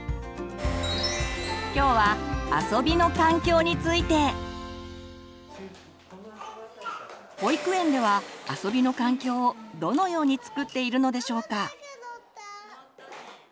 今日は保育園では遊びの環境をどのように作っているのでしょうか。